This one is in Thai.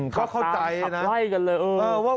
เขาเข้าใจนะ